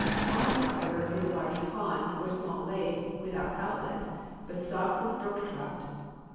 On it, however, is a large pond or small lake with out outlet, but stocked with brook trout.